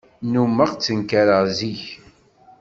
Nnummeɣ ttenkareɣ zik.